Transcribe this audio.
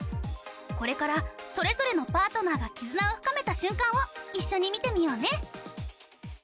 これからそれぞれのパートナーが絆を深めた瞬間を一緒に見てみようね。